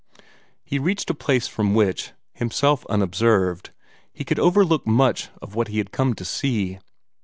He reached a place from which, himself unobserved, he could overlook much of what he had come to see.